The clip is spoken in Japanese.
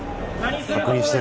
確認してる。